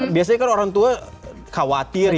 biasanya kan orang tua khawatir ya